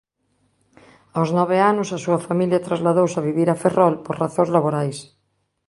Aos nove anos a súa familia trasladouse a vivir a Ferrol por razóns laborais.